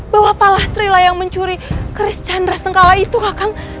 bahwa pala sri lah yang mencuri keris chandra sengkala itu kakang